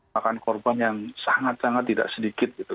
makan korban yang sangat sangat tidak sedikit gitu